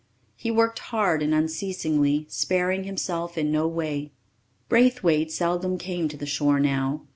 He worked hard and unceasingly, sparing himself in no way. Braithwaite seldom came to the shore now.